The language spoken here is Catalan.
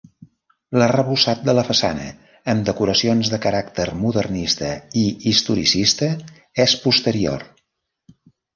L'arrebossat de la façana amb decoracions de caràcter modernista i historicista és posterior.